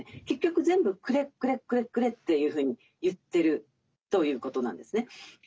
結局全部「くれくれくれくれ」というふうに言ってるということなんですね。